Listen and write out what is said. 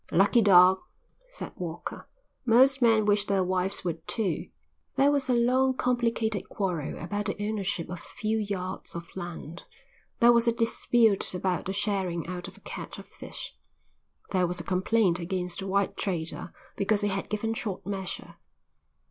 "Lucky dog," said Walker. "Most men wish their wives would too." There was a long complicated quarrel about the ownership of a few yards of land. There was a dispute about the sharing out of a catch of fish. There was a complaint against a white trader because he had given short measure.